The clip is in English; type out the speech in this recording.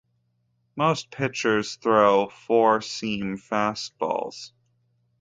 Most pitchers throw four-seam fastballs.